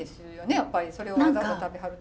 やっぱりそれをわざと食べはるって。